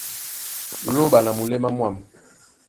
Lóɓa na muléma mwâm.